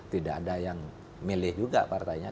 tidak ada yang milih juga partainya